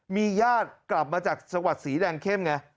มีญาติกลับมาจากจังหวัดสีแดงเข้มไง